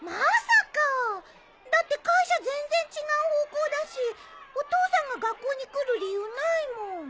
だって会社全然違う方向だしお父さんが学校に来る理由ないもん。